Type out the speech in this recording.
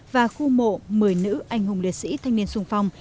và khu mộ một mươi nữ anh hùng liệt sĩ thanh niên sung phong